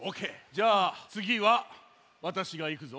じゃあつぎはわたしがいくぞ。